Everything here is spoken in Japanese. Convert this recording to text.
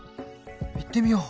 行ってみよう。